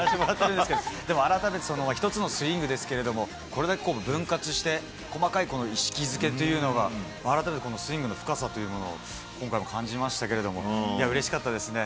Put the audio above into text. でも改めて、１つのスイングですけれども、これだけ分割して、細かい意識づけというのが、改めてこのスイングの深さというものを今回も感じましたけれども、うれしかったですね。